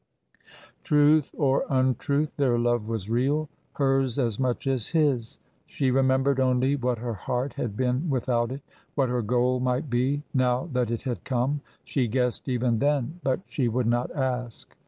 Truth or untruth, their love was real, hers as much as his. She remembered only what her heart had been without it. What her goal might be, now that it had come, she guessed even then, but she would not ask.